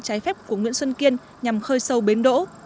trái phép của nguyễn xuân kiên nhằm khơi sâu bến đỗ